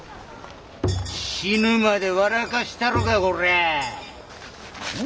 死ぬまで笑かしたろかコラ。